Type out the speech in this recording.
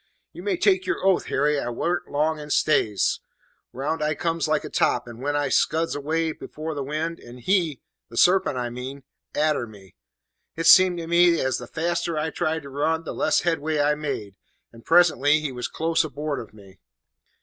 "You may take your oath, Harry, I warn't long in stays. Round I comes like a top, and away I scuds dead afore the wind; and he the sarpent, I mean arter me. It seemed to me as the faster I tried to run, the less headway I made; and presently he was close aboard of me.